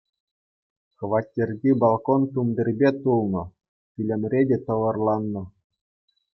Хваттерти балкон тумтирпе тулнӑ, пӳлӗмре те тӑвӑрланнӑ.